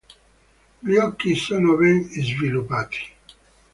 Gli occhi sono ben sviluppati.